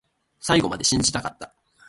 最後まで信じたかった